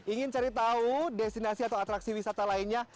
ingin cari tahu destinasi atau atraksi wisata lainnya